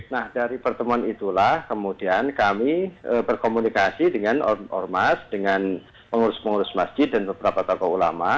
nah dari pertemuan itulah kemudian kami berkomunikasi dengan ormas dengan pengurus pengurus masjid dan beberapa tokoh ulama